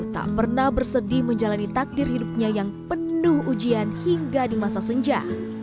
tak pernah bersedih menjalani takdir hidupnya yang penuh ujian hingga di masa senja